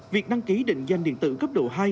việc đăng ký định danh điện tử cấp độ hai